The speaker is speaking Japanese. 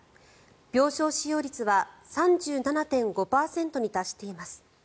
病床使用率は３７．５％に達しています。